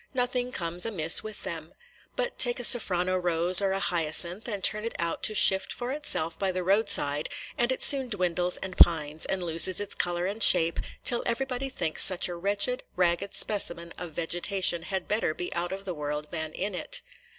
Nothing comes amiss with them. But take a saffrano rose or a hyacinth and turn it out to shift for itself by the roadside, and it soon dwindles and pines, and loses its color and shape, till everybody thinks such a wretched, ragged specimen of vegetation had better be out of the world than in it.